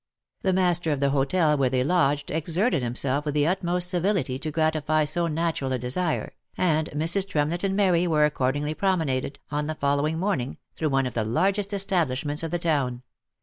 The master of the hotel where they lodged exerted himself with the utmost civility to gratify so natural a desire, and Mrs. Tremlett and Mary were accordingly promenaded, on the following morning, through one of the largest establishments of the town.